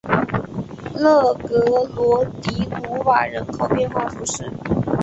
勒格罗迪鲁瓦人口变化图示